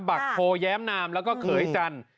บักโพแย้มนามแล้วก็เขยจันทร์